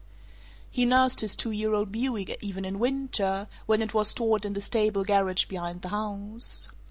He nursed his two year old Buick even in winter, when it was stored in the stable garage behind the house.